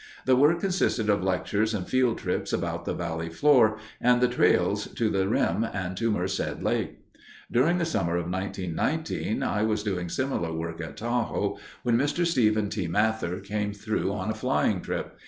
The work consisted of lectures and field trips about the valley floor and the trails to the rim and to Merced Lake. During the summer of 1919 I was doing similar work at Tahoe when Mr. Stephen T. Mather came through on a flying trip.